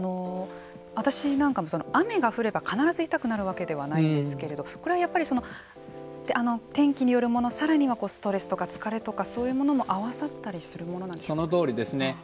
私なんかも雨が降れば必ず痛くなるわけではないんですけれどもこれはやっぱり、天気によるものさらには、ストレスとか疲れとかそういうものも合わさったりするものなんですか。